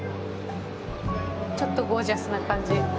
ちょっとゴージャスな感じ。